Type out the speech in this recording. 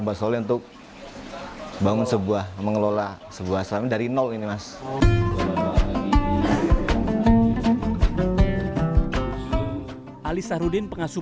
mas oleh untuk bangun sebuah mengelola sebuah sehari dari nol ini mas alisa rudin pengasuh